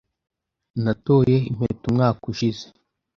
Natoye impeta umwaka ushize.